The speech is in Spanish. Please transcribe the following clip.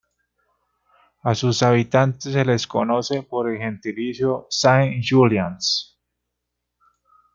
A sus habitantes se les conoce por el gentilicio "Saint-Julians".